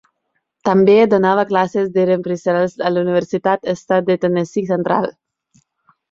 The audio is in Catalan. També donava classes d'Empresarials a la Universitat Estatal de Tennessee Central.